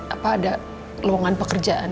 apa ada ruangan pekerjaan